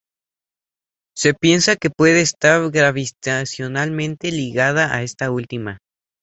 Se piensa que puede estar gravitacionalmente ligada a esta última.